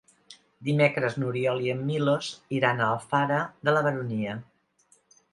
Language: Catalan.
Dimecres n'Oriol i en Milos iran a Alfara de la Baronia.